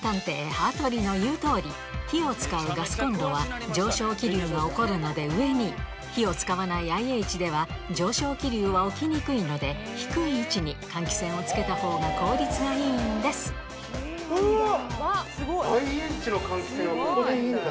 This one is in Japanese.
羽鳥の言う通り！火を使うガスコンロは上昇気流が起こるので上に火を使わないＩＨでは上昇気流は起きにくいので低い位置に換気扇をつけたほうが効率がいいんですうわっ！